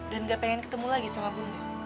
dan gak pengen ketemu lagi sama bunda